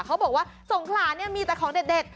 เขาบอกว่าสงขลาเนี่ยมีแต่ของเด็ด